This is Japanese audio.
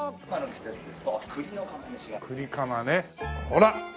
ほら。